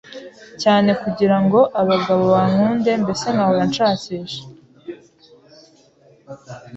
cyane kugirango abagabo bankunde mbese nkahora nshakisha